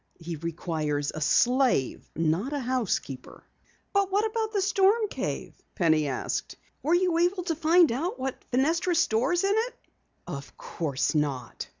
He requires a slave, not a housekeeper!" "But what about the storm cave?" Penny asked. "Were you able to find out what Fenestra stores in it?" "Of course not.